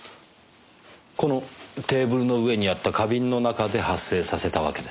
このテーブルの上にあった花瓶の中で発生させたわけですねえ。